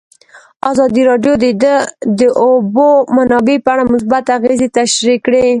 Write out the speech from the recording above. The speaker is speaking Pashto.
ازادي راډیو د د اوبو منابع په اړه مثبت اغېزې تشریح کړي.